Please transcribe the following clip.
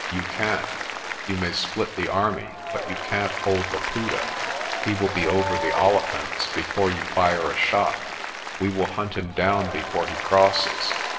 "You can't. You may split the army, but you can't hold Laputa. He will be over the Olifants before you fire a shot." "We will hunt him down before he crosses.